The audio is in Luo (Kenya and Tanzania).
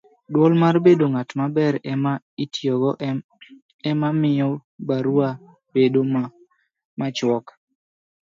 duol mar bedo ng'at maber ema itiyogo ema miyo barua bedo machuok